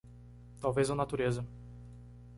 Talvez a natureza